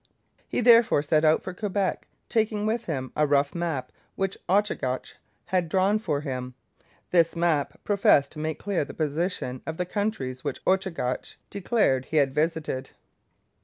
He therefore set out for Quebec, taking with him a rough map which Ochagach had drawn for him. This map professed to make clear the position of the countries which Ochagach declared that he had visited.